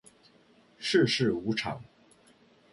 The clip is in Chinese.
世事无常